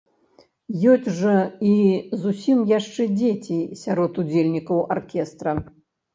Ёсць жа і зусім яшчэ дзеці сярод удзельнікаў аркестра!